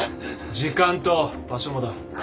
時間と場所もだ。